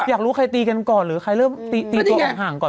อยากรู้ใครตีกันก่อนหรือใครเริ่มตีตัวออกห่างก่อน